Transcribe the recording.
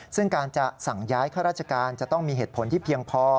ซึ่งการจะสั่งย้ายข้าราชการจะต้องมีเหตุผลที่เพียงพอ